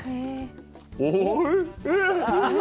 おいしい！